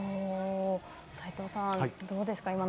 齋藤さん、どうですか。